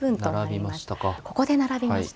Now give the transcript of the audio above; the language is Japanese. ここで並びました。